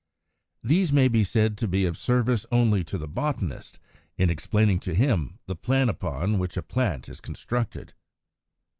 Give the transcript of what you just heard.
These may be said to be of service only to the botanist, in explaining to him the plan upon which a plant is constructed.